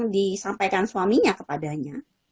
disampaikan suaminya kepadanya